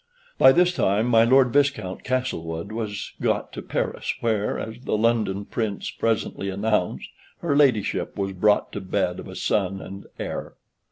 By this time my Lord Viscount Castlewood was got to Paris, where, as the London prints presently announced, her ladyship was brought to bed of a son and heir.